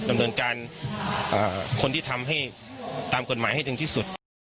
ดำเนินการคนที่ทำให้ตามกฎหมายให้ถึงที่สุด